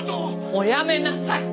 おやめなさい！